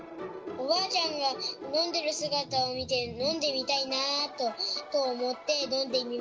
おばあちゃんがのんでるすがたをみてのんでみたいなあとおもってのんでみました。